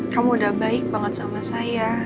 kamu udah baik banget sama saya